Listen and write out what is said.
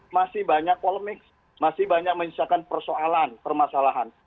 masih banyak polemik masih banyak menyisakan persoalan permasalahan